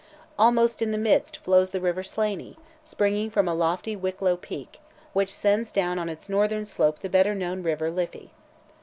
Almost in the midst flows the river Slaney, springing from a lofty Wicklow peak, which sends down on its northern slope the better known river Liffey.